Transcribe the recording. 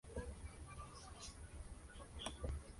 En agosto entran a grabar.